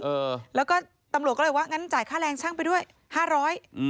เออแล้วก็ตำรวจก็เลยว่างั้นจ่ายค่าแรงช่างไปด้วยห้าร้อยอืม